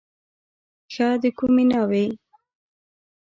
ښه د کومې ناوې.